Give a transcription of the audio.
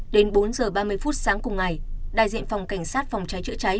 đến bốn h ba mươi phút sáng cùng ngày đại diện phòng cảnh sát phòng cháy chữa cháy